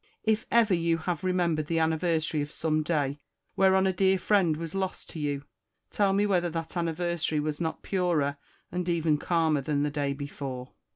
If ever you have remem bered the anniversary of some day whereon a dear friend was lost to you, tell me whether that anniversary was not purer and even calmer than the day before.